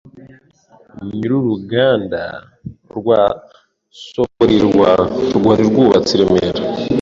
nyiri uruganda rwa Sobolirwa rwari rwubatse i Remera.